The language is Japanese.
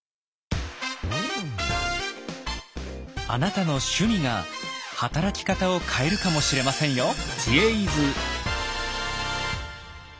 あなたの趣味が働き方を変えるかもしれませんよ！